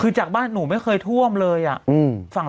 คือจากบ้านหนูไม่เคยท่วมเลยอ่ะ